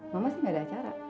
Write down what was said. mama sih gak ada acara